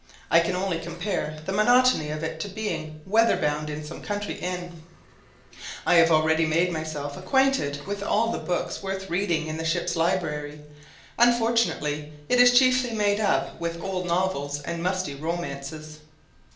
I can only compare the monotony of it to being weather bound in some country inn. I have already made myself acquainted with all the books worth reading in the ship's library; unfortunately, it is chiefly made up with old novels and musty romances.